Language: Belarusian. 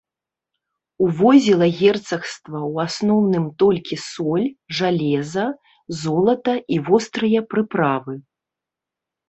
Увозіла герцагства ў асноўным толькі соль, жалеза, золата і вострыя прыправы.